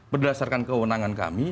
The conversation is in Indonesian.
berdasarkan kewenangan kami